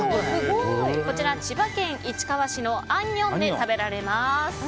こちら、千葉県市川市のアンニョンで食べられます。